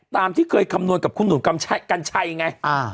ที่เคยคำนวณกับคุณหนุ่มกัญชัยไง